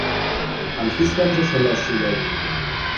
Анфислӓнжӹ шӹлӓш шӱдӓт.